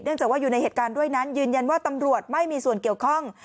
จากว่าอยู่ในเหตุการณ์ด้วยนั้นยืนยันว่าตำรวจไม่มีส่วนเกี่ยวข้อง